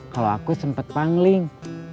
kalau aku sempet pangling